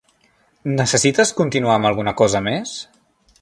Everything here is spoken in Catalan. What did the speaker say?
Necessites continuar amb alguna cosa més?